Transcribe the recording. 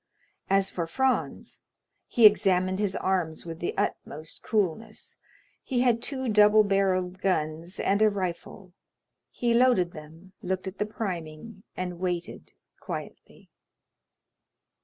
As for Franz, he examined his arms with the utmost coolness; he had two double barrelled guns and a rifle; he loaded them, looked at the priming, and waited quietly.